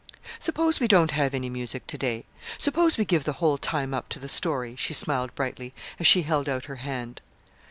"Suppose we don't have any music to day. Suppose we give the whole time up to the story," she smiled brightly, as she held out her hand.